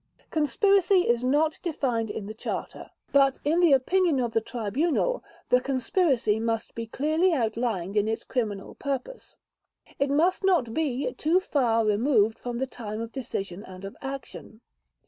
Conspiracy is not defined in the Charter. But in the opinion of the Tribunal the conspiracy must be clearly outlined in its criminal purpose. It must not be too far removed from the time of decision and of action.